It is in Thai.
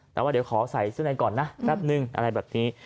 แต่ว่าเดี๋ยวขอใส่เสื้อในก่อนนะแป๊บนึงอะไรแบบนี้